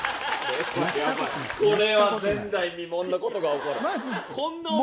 これは前代未聞なことが起こる。